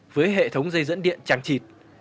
với hệ thống dây dẫn điện tràng trịt